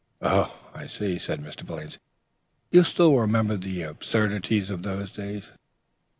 "Oh, I see," said Mr. Billings, "you still remember the absurdities of those days.